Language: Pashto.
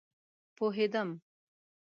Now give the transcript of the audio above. پوهيدم